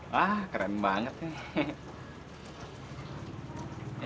wah keren banget nih